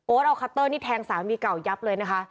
เอาคัตเตอร์นี่แทงสามีเก่ายับเลยนะคะ